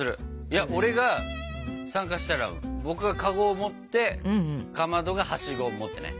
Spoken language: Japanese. いや俺が参加したら僕がカゴを持ってかまどがハシゴを持ってね。